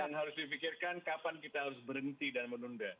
dan harus difikirkan kapan kita harus berhenti dan menunda